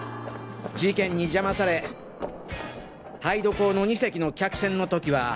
事件に邪魔され杯戸港の２隻の客船の時は。